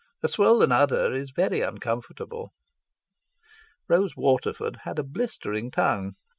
A swollen udder is very uncomfortable." Rose Waterford had a blistering tongue.